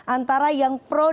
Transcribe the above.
antara yang produsen